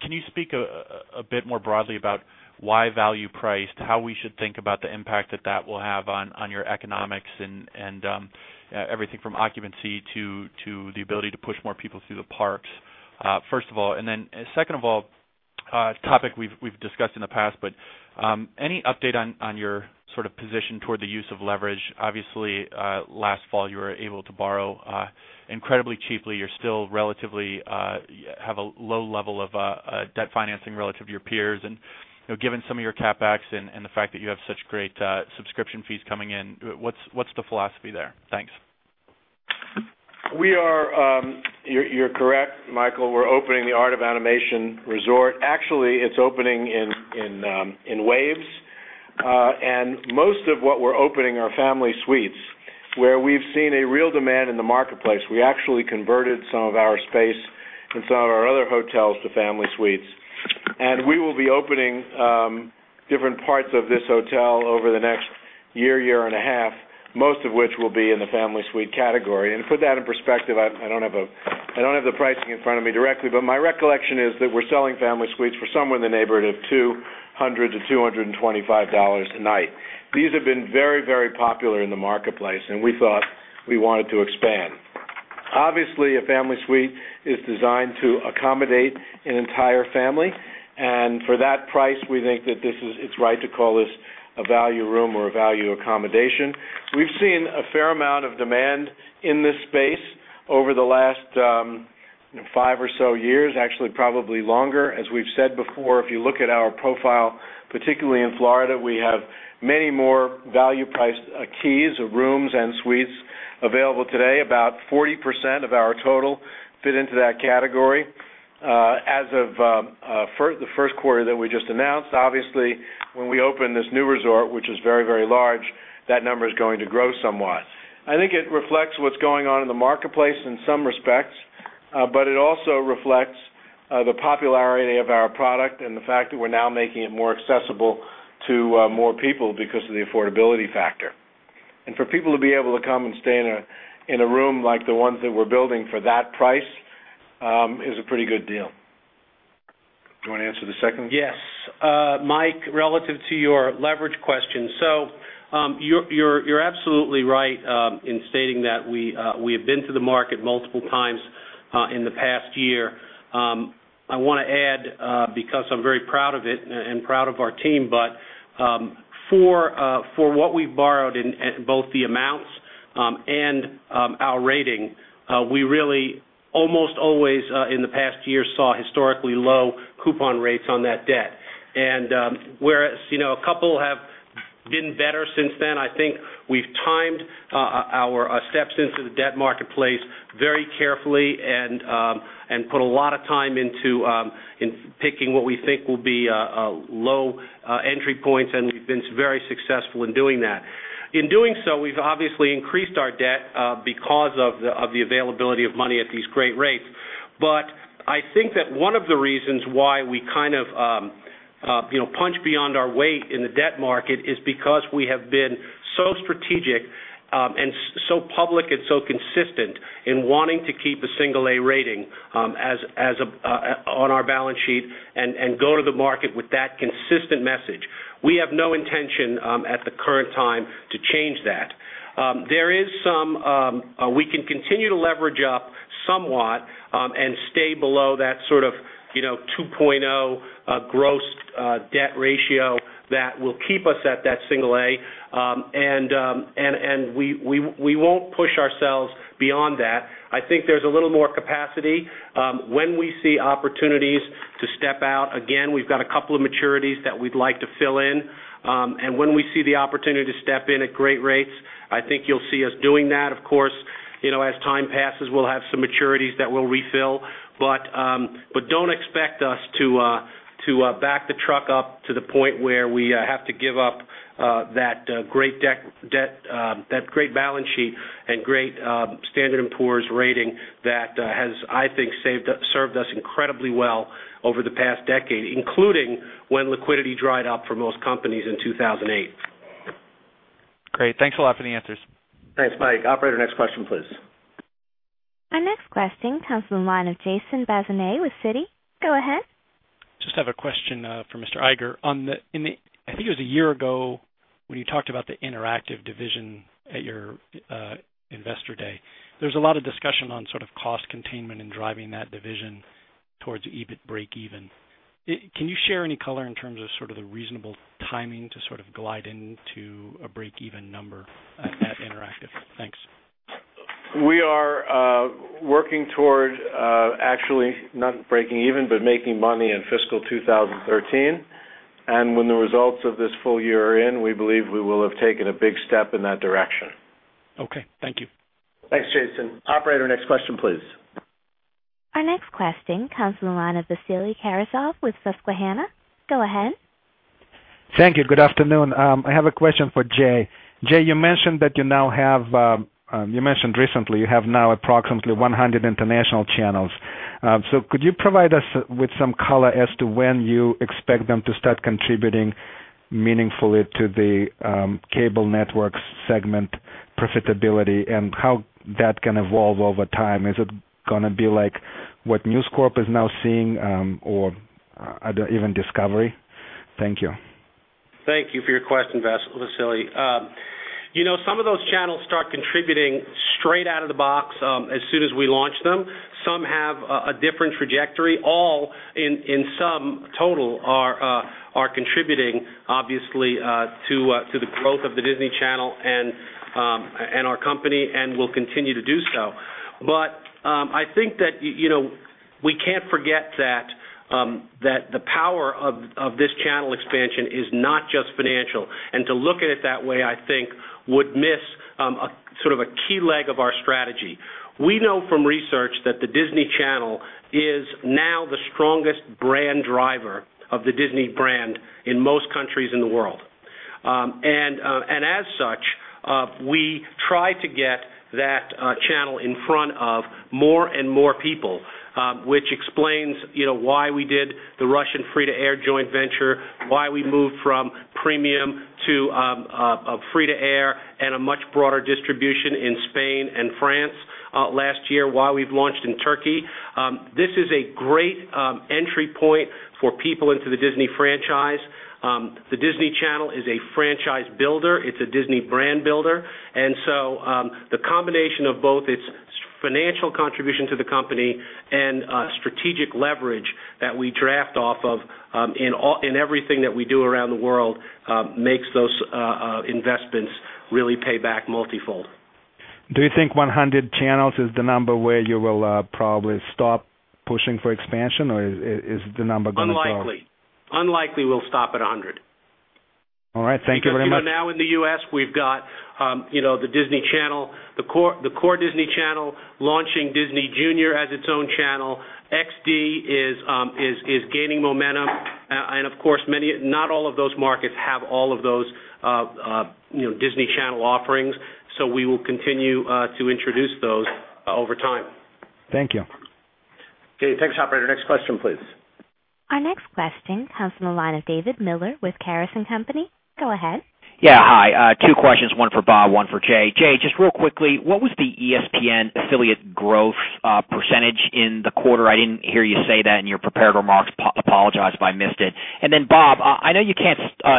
Can you speak a bit more broadly about why value-priced, how we should think about the impact that that will have on your economics and everything from occupancy to the ability to push more people through the parks, first of all? Second of all, a topic we've discussed in the past, any update on your sort of position toward the use of leverage? Obviously, last fall, you were able to borrow incredibly cheaply. You're still relatively at a low level of debt financing relative to your peers. Given some of your CapEx and the fact that you have such great subscription fees coming in, what's the philosophy there? Thanks. You're correct, Michael. We're opening the Art of Animation Resort. Actually, it's opening in waves. Most of what we're opening are family suites, where we've seen a real demand in the marketplace. We actually converted some of our space in some of our other hotels to family suites. We will be opening different parts of this hotel over the next year, year and a half, most of which will be in the family suite category. To put that in perspective, I don't have the pricing in front of me directly, but my recollection is that we're selling family suites for somewhere in the neighborhood of $200-$225 a night. These have been very, very popular in the marketplace, and we thought we wanted to expand. Obviously, a family suite is designed to accommodate an entire family. For that price, we think that it's right to call this a value room or a value accommodation. We've seen a fair amount of demand in this space over the last five or so years, actually probably longer. As we've said before, if you look at our profile, particularly in Florida, we have many more value-priced keys or rooms and suites available today. About 40% of our total fit into that category. As of the first quarter that we just announced, obviously, when we open this new resort, which is very, very large, that number is going to grow somewhat. I think it reflects what's going on in the marketplace in some respects, but it also reflects the popularity of our product and the fact that we're now making it more accessible to more people because of the affordability factor. For people to be able to come and stay in a room like the one that we're building for that price is a pretty good deal. Do you want to answer the second? Yes. Mike, relative to your leverage question. You're absolutely right in stating that we have been to the market multiple times in the past year. I want to add, because I'm very proud of it and proud of our team, for what we've borrowed in both the amounts and our rating, we really almost always in the past year saw historically low coupon rates on that debt. Whereas a couple have been better since then, I think we've timed our steps into the debt marketplace very carefully and put a lot of time into picking what we think will be low entry points, and we've been very successful in doing that. In doing so, we've obviously increased our debt because of the availability of money at these great rates. I think that one of the reasons why we kind of punch beyond our weight in the debt market is because we have been so strategic and so public and so consistent in wanting to keep the single A rating on our balance sheet and go to the market with that consistent message. We have no intention at the current time to change that. There is some we can continue to leverage up somewhat and stay below that sort of 2.0 gross debt ratio that will keep us at that single A. We won't push ourselves beyond that. I think there's a little more capacity when we see opportunities to step out. We've got a couple of maturities that we'd like to fill in. When we see the opportunity to step in at great rates, I think you'll see us doing that. Of course, as time passes, we'll have some maturities that we'll refill. Don't expect us to back the truck up to the point where we have to give up that great balance sheet and great Standard & Poor's rating that has, I think, served us incredibly well over the past decade, including when liquidity dried up for most companies in 2008. Great. Thanks a lot for the answers. Thanks, Mike. Operator, next question, please. Our next question comes from the line of Jason Bazinet with Citi. Go ahead. Just have a question for Mr. Iger. I think it was a year ago when you talked about the interactive division at your Investor Day. There was a lot of discussion on sort of cost containment and driving that division towards break-even. Can you share any color in terms of sort of the reasonable timing to sort of glide into a break-even number at Interactive? Thanks. We are working toward actually not breaking even, but making money in fiscal 2013. When the results of this full year are in, we believe we will have taken a big step in that direction. Okay, thank you. Thanks, Jason. Operator, next question, please. Our next question comes from the line of Vasily Karasyov with Susquehanna. Go ahead. Thank you. Good afternoon. I have a question for Jay. Jay, you mentioned that you now have, you mentioned recently, you have now approximately 100 international channels. Could you provide us with some color as to when you expect them to start contributing meaningfully to the cable networks segment profitability and how that can evolve over time? Is it going to be like what News Corp is now seeing or even Discovery? Thank you. Thank you for your question, Vasily. Some of those channels start contributing straight out of the box as soon as we launch them. Some have a different trajectory. All, in sum total, are contributing, obviously, to the growth of the Disney Channel and our company and will continue to do so. I think that we can't forget that the power of this channel expansion is not just financial. To look at it that way, I think, would miss sort of a key leg of our strategy. We know from research that the Disney Channel is now the strongest brand driver of the Disney brand in most countries in the world. As such, we try to get that channel in front of more and more people, which explains why we did the Russian free-to-air joint venture, why we moved from premium to free-to-air and a much broader distribution in Spain and France last year, and why we've launched in Turkey. This is a great entry point for people into the Disney franchise. The Disney Channel is a franchise builder. It's a Disney brand builder. The combination of both its financial contribution to the company and strategic leverage that we draft off of in everything that we do around the world makes those investments really pay back multifold. Do you think 100 channels is the number where you will probably stop pushing for expansion, or is the number going to drop? Unlikely. Unlikely we'll stop at 100. All right, thank you very much. In the U.S., we've got the Disney Channel, the core Disney Channel, launching Disney Junior as its own channel. Disney XD is gaining momentum. Not all of those markets have all of those Disney Channel offerings, so we will continue to introduce those over time. Thank you. Okay, thanks, Operator. Next question, please. Our next question comes from the line of David Miller with Caris & Company. Go ahead. Yeah, hi. Two questions, one for Bob, one for Jay. Jay, just real quickly, what was the ESPN affiliate growth % in the quarter? I didn't hear you say that in your prepared remarks. Apologize if I missed it. Bob, I know you can't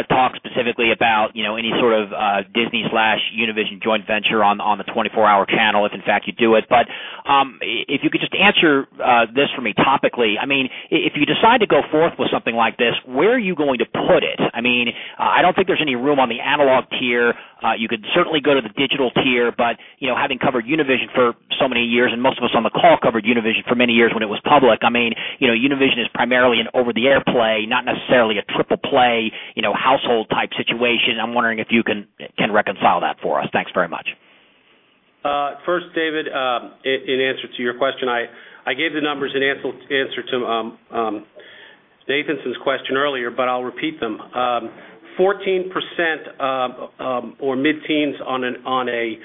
talk specifically about any sort of Disney/Univision joint venture on the 24-hour channel if, in fact, you do it. If you could just answer this for me topically, I mean, if you decide to go forth with something like this, where are you going to put it? I don't think there's any room on the analog tier. You could certainly go to the digital tier. Having covered Univision for so many years, and most of us on the call covered Univision for many years when it was public, Univision is primarily an over-the-air play, not necessarily a triple-play household type situation. I'm wondering if you can reconcile that for us. Thanks very much. First, David, in answer to your question, I gave the numbers in answer to Nathanson's question earlier, but I'll repeat them. 14% or mid-teens on a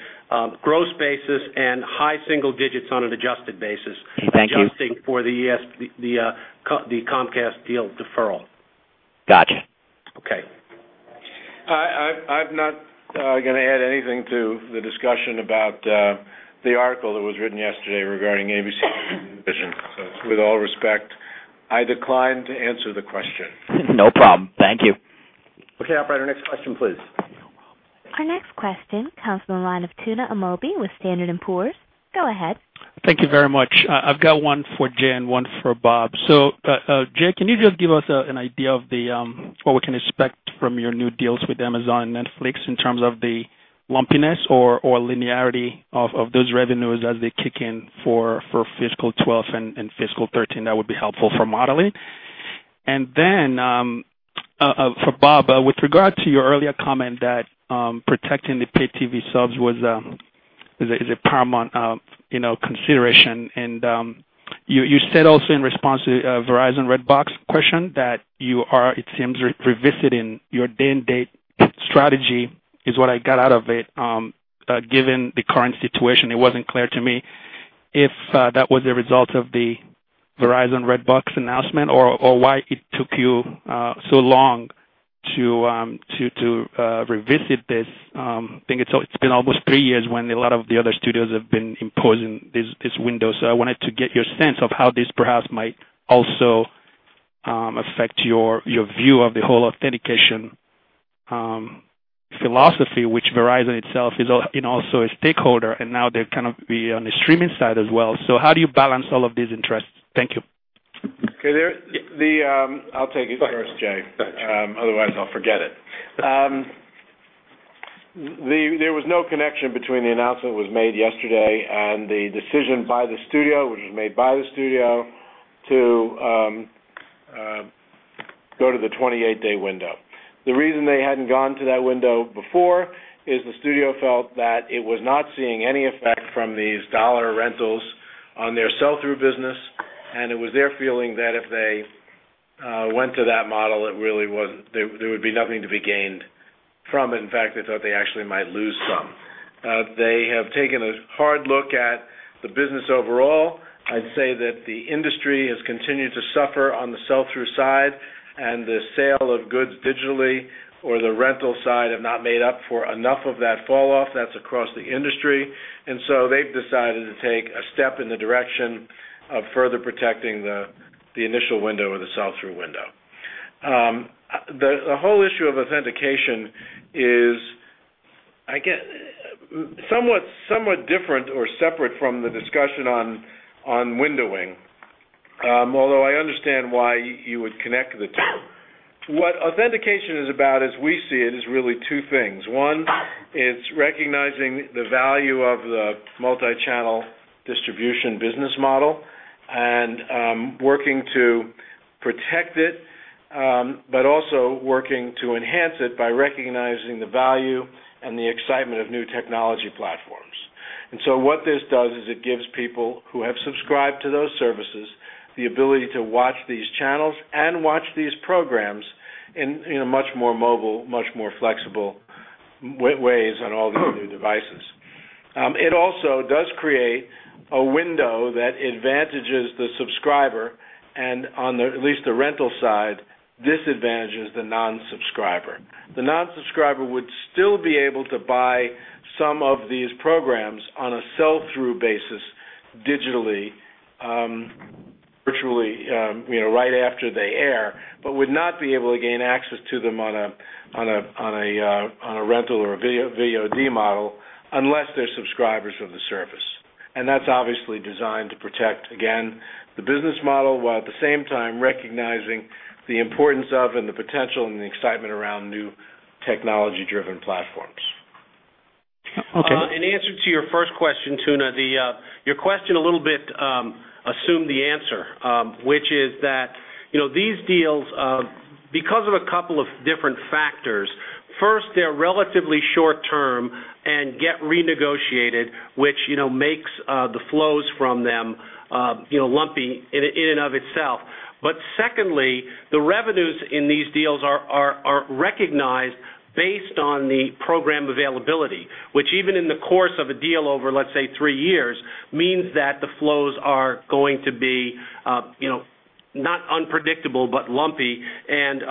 gross basis and high single digits on an adjusted basis, accounting for the Comcast deal deferral. Gotcha. Okay. I'm not going to add anything to the discussion about the article that was written yesterday regarding ABC. With all respect, I decline to answer the question. No problem. Thank you. Okay, Operator, next question, please. Our next question comes from the line of Tuna Amobi with Standard & Poor's. Go ahead. Thank you very much. I've got one for Jay and one for Bob. Jay, can you just give us an idea of what we can expect from your new deals with Amazon and Netflix in terms of the lumpiness or linearity of those revenues as they kick in for fiscal 2012 and fiscal 2013? That would be helpful for modeling. For Bob, with regard to your earlier comment that protecting the pay-TV subs is a paramount consideration, you said also in response to the Verizon/Redbox question that you are, it seems, revisiting your day-on-day strategy, is what I got out of it. Given the current situation, it wasn't clear to me if that was a result of the Verizon/Redbox announcement or why it took you so long to revisit this. I think it's been almost three years when a lot of the other studios have been imposing this window. I wanted to get your sense of how this perhaps might also affect your view of the whole authentication philosophy, which Verizon itself is also a stakeholder, and now they're kind of on the streaming side as well. How do you balance all of these interests? Thank you. Okay, I'll take it first, Jay. Otherwise, I'll forget it. There was no connection between the announcement that was made yesterday and the decision by the studio, which was made by the studio, to go to the 28-day window. The reason they hadn't gone to that window before is the studio felt that it was not seeing any effect from these dollar rentals on their sell-through business. It was their feeling that if they went to that model, it really would be nothing to be gained from. In fact, they thought they actually might lose some. They have taken a hard look at the business overall. I'd say that the industry has continued to suffer on the sell-through side, and the sale of goods digitally or the rental side have not made up for enough of that falloff that's across the industry. They have decided to take a step in the direction of further protecting the initial window or the sell-through window. The whole issue of authentication is somewhat different or separate from the discussion on windowing, although I understand why you would connect the two. What authentication is about, as we see it, is really two things. One, it's recognizing the value of the multi-channel distribution business model and working to protect it, but also working to enhance it by recognizing the value and the excitement of new technology platforms. What this does is it gives people who have subscribed to those services the ability to watch these channels and watch these programs in much more mobile, much more flexible ways on all these new devices. It also does create a window that advantages the subscriber and, at least the rental side, disadvantages the non-subscriber. The non-subscriber would still be able to buy some of these programs on a sell-through basis digitally, virtually, right after they air, but would not be able to gain access to them on a rental or a VOD model unless they're subscribers of the service. That's obviously designed to protect, again, the business model, while at the same time recognizing the importance of and the potential and the excitement around new technology-driven platforms. In answer to your first question, Tuna, your question a little bit assumed the answer, which is that these deals, because of a couple of different factors, first, they're relatively short-term and get renegotiated, which makes the flows from them lumpy in and of itself. Secondly, the revenues in these deals are recognized based on the program availability, which even in the course of a deal over, let's say, three years means that the flows are going to be not unpredictable but lumpy. It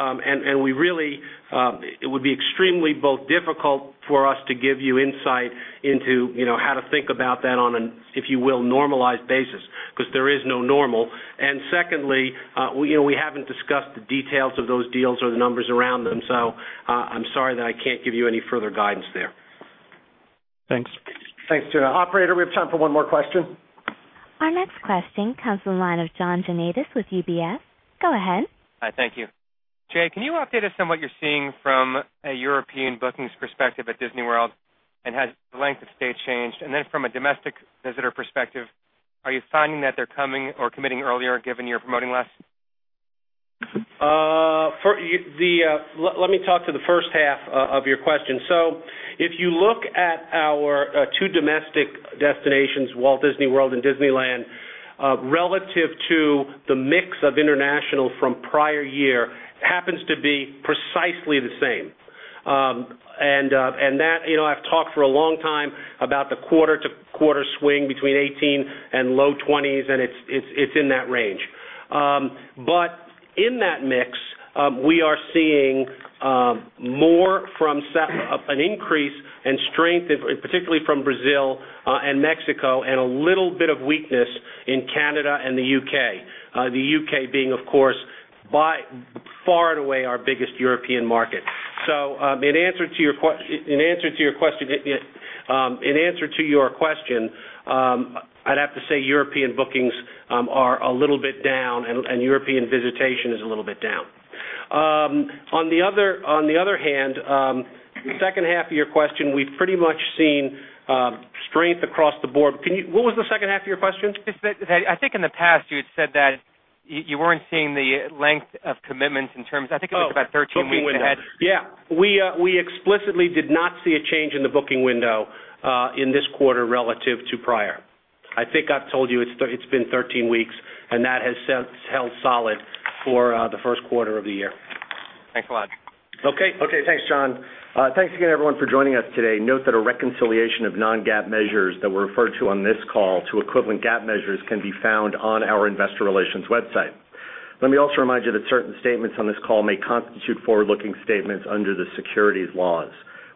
would be extremely both difficult for us to give you insight into how to think about that on an, if you will, normalized basis, because there is no normal. We haven't discussed the details of those deals or the numbers around them. I'm sorry that I can't give you any further guidance there. Thanks. Thanks, Tuna. Operator, we have time for one more question. Our next question comes from the line of John Hodulik with UBS. Go ahead. Hi, thank you. Jay, can you update us on what you're seeing from a European bookings perspective at Walt Disney World, and has the length of stay changed? From a domestic visitor perspective, are you finding that they're coming or committing earlier, given you're promoting less? Let me talk to the first half of your question. If you look at our two domestic destinations, Walt Disney World and Disneyland, relative to the mix of international from prior year, it happens to be precisely the same. I've talked for a long time about the quarter-to-quarter swing between 18% and low 20%, and it's in that range. In that mix, we are seeing more from an increase and strength, particularly from Brazil and Mexico, and a little bit of weakness in Canada and the U.K., the U.K., being, of course, far and away our biggest European market. In answer to your question, I'd have to say European bookings are a little bit down, and European visitation is a little bit down. On the other hand, the second half of your question, we've pretty much seen strength across the board. What was the second half of your question? I think in the past, you had said that you weren't seeing the length of commitments in terms of, I think it was about 13 weeks ahead. Yeah, we explicitly did not see a change in the booking window in this quarter relative to prior. I think I've told you it's been 13 weeks, and that has held solid for the first quarter of the year. Thanks a lot. Okay, thanks, John. Thanks again, everyone, for joining us today. Note that a reconciliation of non-GAAP measures that were referred to on this call to equivalent GAAP measures can be found on our Investor Relations website. Let me also remind you that certain statements on this call may constitute forward-looking statements under the securities laws.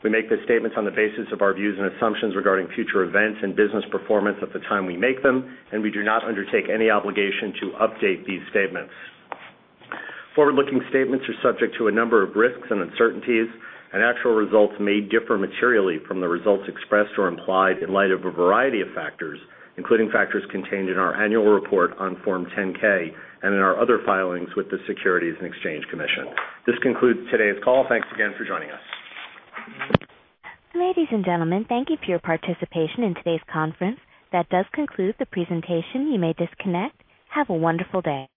We make the statements on the basis of our views and assumptions regarding future events and business performance at the time we make them, and we do not undertake any obligation to update these statements. Forward-looking statements are subject to a number of risks and uncertainties, and actual results may differ materially from the results expressed or implied in light of a variety of factors, including factors contained in our annual report on Form 10-K and in our other filings with the Securities and Exchange Commission. This concludes today's call. Thanks again for joining us. Ladies and gentlemen, thank you for your participation in today's conference. That does conclude the presentation. You may disconnect. Have a wonderful day.